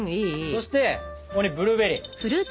そしてここにブルーベリー。